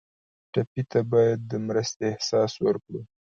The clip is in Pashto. ټپي ته باید د مرستې احساس ورکړو.